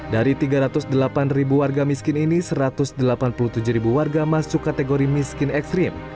dari tiga ratus delapan ribu warga miskin ini satu ratus delapan puluh tujuh ribu warga masuk kategori miskin ekstrim